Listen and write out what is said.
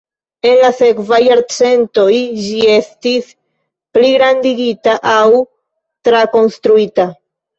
En la sekvaj jarcentoj ĝi estis pligrandigita aŭ trakonstruita.